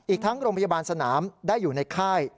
อีกทั้งโรงพยาบาลสนามได้อยู่ในค่าย